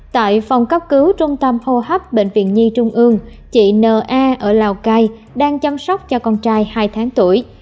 tại phòng cấp cứu trung tâm hô hấp bệnh viện nhi trung ương chị na ở lào cai đang chăm sóc cho con trai hai tháng tuổi